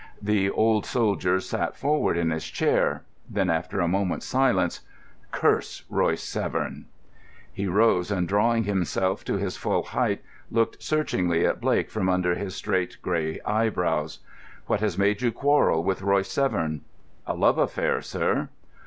The old soldier sat forward in his chair. Then, after a moment's silence, "Curse Royce Severn." He rose, and drawing himself to his full height, looked searchingly at Blake from under his straight grey eyebrows. "What has made you quarrel with Royce Severn?" "A love affair, sir."